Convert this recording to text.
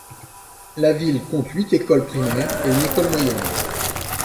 La ville compte huit écoles primaires et une école moyenne.